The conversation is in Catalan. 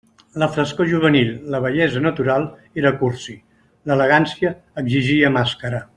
La frescor juvenil, la bellesa natural, era cursi; l'elegància exigia màscara.